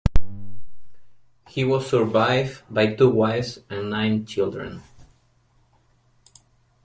He was survived by two wives and nine children.